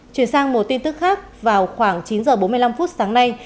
chuyển sang một tin tức khác vào khoảng chín h bốn mươi năm phút sáng nay